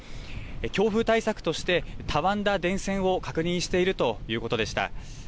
強風対策としてたわんだ電線を確認しているということでした。